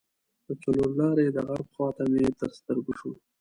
د څلور لارې د غرب خواته مې تر سترګو شو.